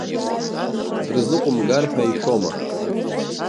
Брызныҟәымгар ҳәа ишәома?